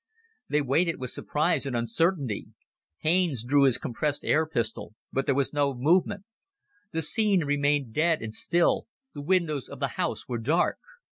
They waited with surprise and uncertainty. Haines drew his compressed air pistol, but there was no movement. The scene remained dead and still the windows of the house were dark.